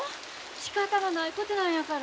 しかたがないことなんやから。